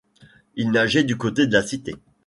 Il nageait du côté de la Cité.